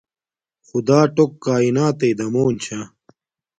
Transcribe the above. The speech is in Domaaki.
خدݳ ٹݸک کݳئنݳتݵئ دمݸن چھݳ.